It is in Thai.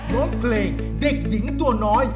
ร้องเพลงเด็กหญิงตัวน้อย